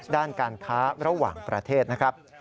ด้านการค้าระหว่างประเทศนะครับ